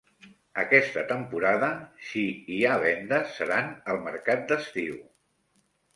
Aquesta temporada, si hi ha vendes, seran al mercat d'estiu.